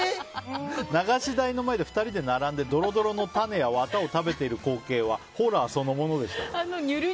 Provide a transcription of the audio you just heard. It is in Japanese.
流し台の前で２人で並んでどろどろの種やワタを食べている光景はホラーそのものでした。